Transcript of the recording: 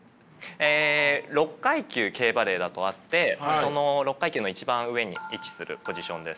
６階級Ｋ−ＢＡＬＬＥＴだとあってその６階級の一番上に位置するポジションです。